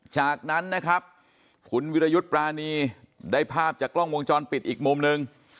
จากนั้นนะครับคุณวิรยุทธ์ปรานีได้ภาพจากกล้องวงจรปิดอีกมุมหนึ่ง